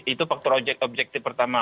itu faktor objektif pertama